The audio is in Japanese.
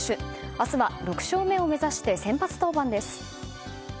明日は６勝目を目指して先発登板です。